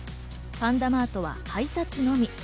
パンダマートは配達のみ。